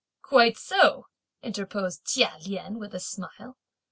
"Quite so," interposed Chia Lien with a smile.